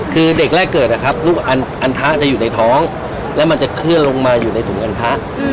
คือเด็กแรกเกิดนะครับลูกอันทะจะอยู่ในท้องแล้วมันจะเคลื่อนลงมาอยู่ในถุงอันพระ